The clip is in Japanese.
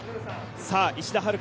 石田遥花